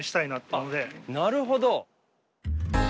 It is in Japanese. なるほど。